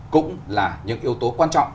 cũng là những yếu tố quan trọng